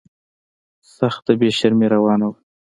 سخته بې شرمي روانه وه.